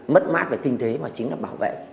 mất mát về kinh tế mà chính là bảo vệ